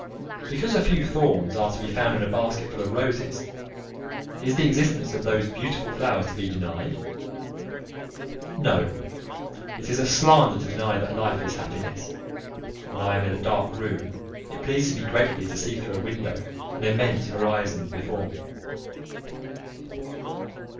Because a few thorns are to be found in a basket full of roses, is the existence of those beautiful flowers to be denied? No; it is a slander to deny that life is happiness. When I am in a dark room, it pleases me greatly to see through a window an immense horizon before me.